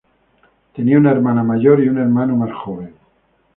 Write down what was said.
Tenía una hermana mayor y un hermano más joven.